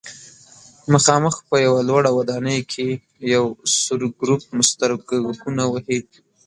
مخامخ په یوه لوړه ودانۍ کې یو سور ګروپ سترګکونه وهي.